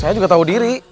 saya juga tahu diri